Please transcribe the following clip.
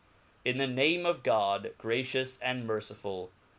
IN ttic name of Godj gracious and merciful.